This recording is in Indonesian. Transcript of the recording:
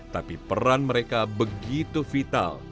tapi peran mereka begitu vital